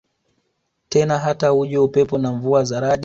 tena Hata uje upepo na mvua za radi